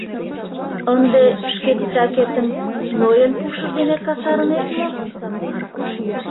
— Ынде шке титакетым Нойын пушыж дене касарынет мо?